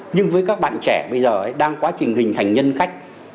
nhưng với các bạn trẻ bây giờ đang quá trình hình thành nhân cách